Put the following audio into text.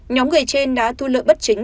nhóm người trên đã thu lợi bất chính